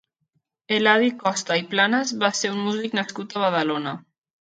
Eladi Costa i Planas va ser un músic nascut a Badalona.